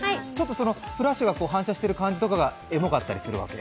そのフラッシュが反射してる感じとかがエモかったりするわけ？